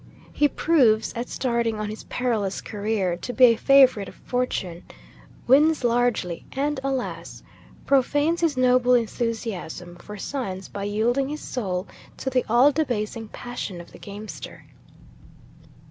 He proves, at starting on his perilous career, to be a favourite of fortune; wins largely, and, alas! profanes his noble enthusiasm for science by yielding his soul to the all debasing passion of the gamester.